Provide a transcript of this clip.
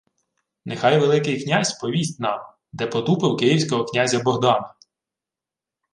— Нехай Великий князь повість нам, де потупив київського князя Богдана.